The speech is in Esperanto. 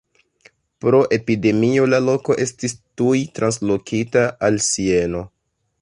Pro epidemio la loko estis tuj translokita al Sieno.